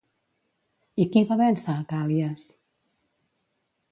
I qui va vèncer a Càl·lies?